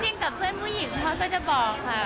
จริงกับเพื่อนผู้หญิงเขาก็จะบอกค่ะ